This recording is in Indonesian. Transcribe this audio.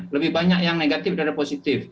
lebih banyak yang negatif daripada positif